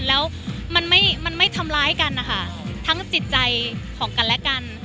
แล้วมันไม่ทำร้ายกันนะคะทั้งจิตใจของกันและกัน